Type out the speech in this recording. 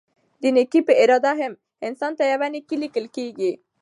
د نيکي په اراده هم؛ انسان ته يوه نيکي ليکل کيږي